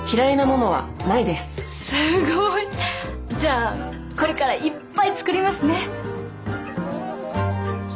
すごい！じゃあこれからいっぱい作りますね！